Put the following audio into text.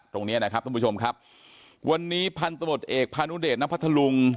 ตรงนี้นะครับท่านผู้ชมครับวันนี้พันธมตเอกพานุเดชนพัทธลุง